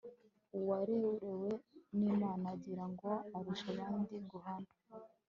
uwarerewe n'imana agira ngo arusha abandi guhana